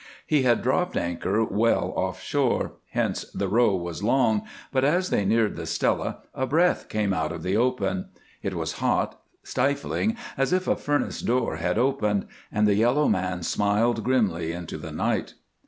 He had dropped anchor well offshore, hence the row was long, but as they neared the Stella a breath came out of the open. It was hot, stifling, as if a furnace door had opened, and the yellow man smiled grimly into the night.